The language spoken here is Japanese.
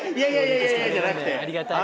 ありがたい。